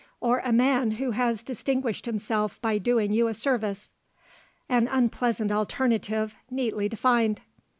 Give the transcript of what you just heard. or a man who has distinguished himself by doing you a service?" An unpleasant alternative, neatly defined!